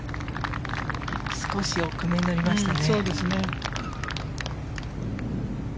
少し奥めになりましたね。